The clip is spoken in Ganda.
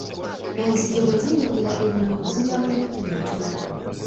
Enzige bwe ziyingira ennimiro zirya buli kintu.